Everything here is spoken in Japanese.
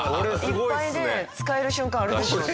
いっぱいね使える瞬間あるでしょうね。